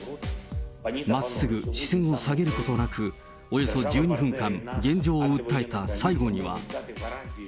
まっすぐ視線を下げることなく、およそ１２分間、現状を訴えた最後には。